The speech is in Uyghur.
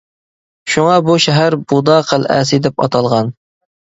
شۇڭا بۇ شەھەر «بۇدا قەلئەسى» دەپ ئاتالغان.